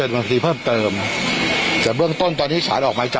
มันลองเลือกไออะ